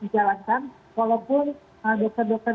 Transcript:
dijalankan walaupun dokter dokter